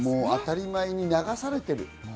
当たり前に流されてる。